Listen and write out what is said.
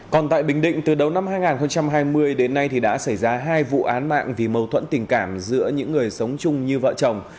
còn tại bình định từ đầu năm hai nghìn hai mươi đến nay thì đã xảy ra hai vụ án mạng vì mâu thuẫn tình cảm giữa những người sống chung như vợ chồng